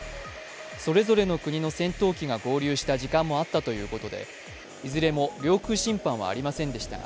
それぞれの国の戦闘機が合流した時間もあったということでいずれも領空侵犯はありませんでした。